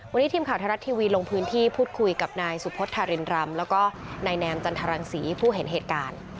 วันนี้ทีมข่าวไทยรัฐทีวีลงพื้นที่พูดคุยกับนายสุพธารินรำแล้วก็นายแนมจันทรังศรีผู้เห็นเหตุการณ์